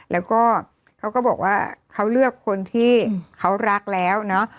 แล้วก็เขาก็บอกว่าเขาเลือกคนที่เขารักแล้วเนอะ